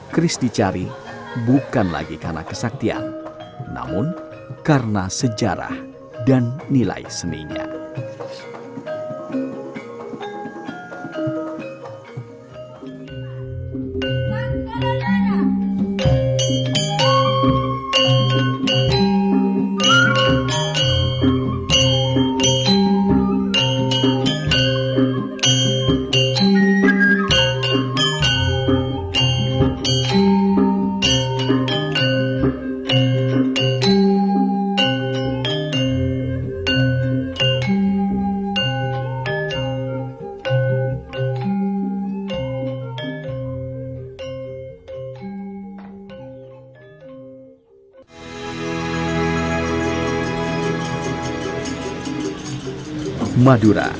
keris dicari bukan lagi karena kesaktian namun karena sejarah dan nilai seninya